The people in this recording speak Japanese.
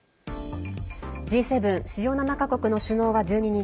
Ｇ７＝主要７か国の首脳は１２日